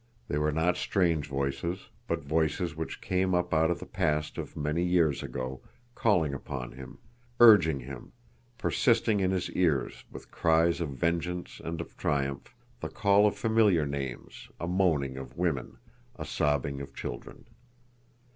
They were not strange voices, but voices which came up out of a past of many years ago, calling upon him, urging him, persisting in his ears with cries of vengeance and of triumph, the call of familiar names, a moaning of women, a sobbing of children.